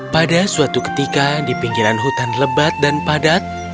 pada suatu ketika di pinggiran hutan lebat dan padat